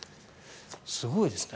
すごいですね。